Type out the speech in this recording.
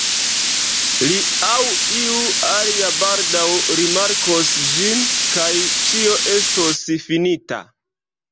Li aŭ iu alia baldaŭ rimarkos ĝin, kaj ĉio estos finita.